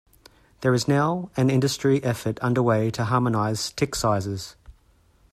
There is now an industry effort underway to harmonise tick sizes.